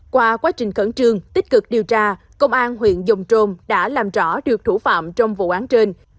qua quá trình khẩn trương tích cực điều tra công an huyện dòng trôm đã làm rõ được thủ phạm trong vụ án trên